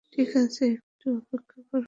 ঠিক আছে, একটু অপেক্ষা করো।